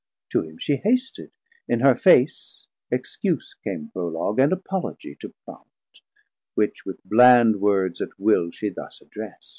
To him she hasted, in her face excuse Came Prologue, and Apologie to prompt, Which with bland words at will she thus addrest.